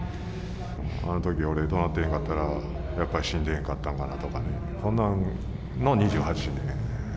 あのとき俺、どなってへんかったら、やっぱり死んでへんかったんかなとかね、そんな２８年。